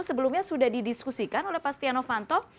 sebelumnya sudah didiskusikan oleh pak stiano vanto